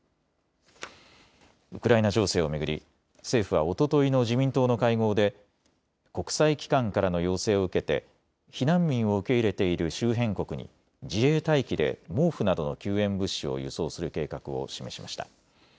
ウクライナ情勢を巡り政府はおとといの自民党の会合で国際機関からの要請を受けて避難民を受け入れている周辺国に自衛隊機で毛布など救援物資を輸送する計画を示しました。